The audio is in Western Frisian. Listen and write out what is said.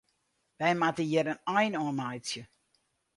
Wy moatte hjir in ein oan meitsje.